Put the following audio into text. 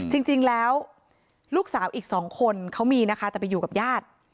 จริงแล้วลูกสาวอีก๒คนเขามีนะคะแต่ไปอยู่กับญาติ